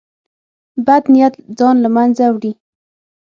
بد نیت ځان له منځه وړي.